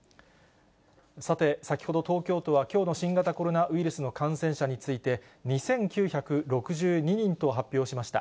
さて、先ほど東京都はきょうの新型コロナウイルスの感染者について、２９６２人と発表しました。